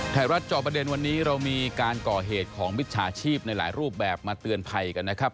จอประเด็นวันนี้เรามีการก่อเหตุของมิจฉาชีพในหลายรูปแบบมาเตือนภัยกันนะครับ